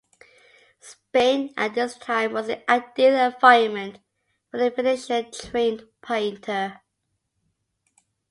Spain at this time was an ideal environment for the Venetian-trained painter.